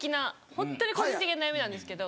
ホントに個人的な悩みなんですけど。